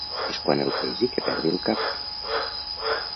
És quan el pesi que perdi el cap.